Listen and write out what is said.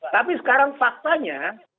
tapi sekarang faktanya